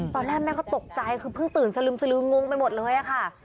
ตอนแรกแม่ก็ตกใจคือเพิ่งตื่นสลึมสลืองงไปหมดเลยค่ะ